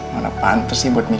mana pantes sih buat mika